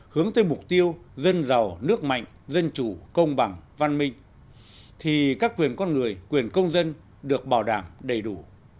hướng tới mục tiêu dân giàu nước mạnh dân chủ công bằng văn minh thì các quyền con người quyền công dân được bảo đảm đầy đủ